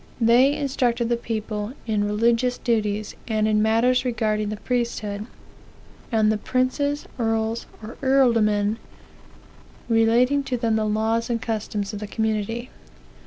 They instructed the people in religious duties, and in matters regarding the priesthood; and the princes, earls, or eorldormen, related to them the laws and customs of the community.